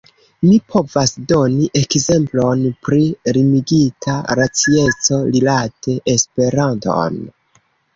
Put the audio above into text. Mi povas doni ekzemplon pri limigita racieco rilate Esperanton.